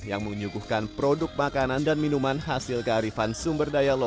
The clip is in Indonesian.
yang menyuguhkan produk makanan dan minuman hasil kearifan sumber daya laut